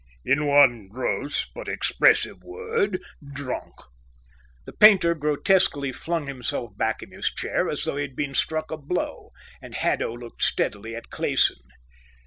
"In one gross, but expressive, word, drunk." The painter grotesquely flung himself back in his chair as though he had been struck a blow, and Haddo looked steadily at Clayson.